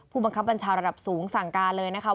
บังคับบัญชาระดับสูงสั่งการเลยนะคะ